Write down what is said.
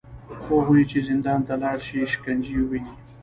هغوی چې زندان ته لاړ شي، شکنجې وویني